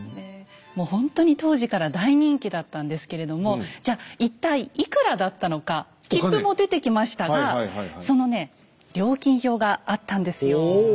もうほんとに当時から大人気だったんですけれどもじゃ一体いくらだったのか切符も出てきましたがそのね料金表があったんですよ。